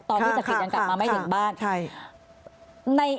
ตอนที่จักริตยังกลับมาไม่ถึงบ้าน